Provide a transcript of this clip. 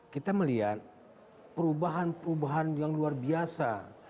kita melihat perubahan perubahan yang luar biasa